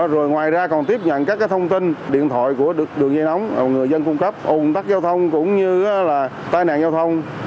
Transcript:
rồi ngoài ra còn tiếp nhận các thông tin điện thoại của đường dây nóng người dân cung cấp ủng tắc giao thông cũng như là tai nạn giao thông